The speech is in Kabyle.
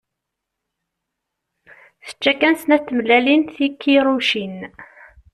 Tečča kan snat tmellalin tikiṛucin.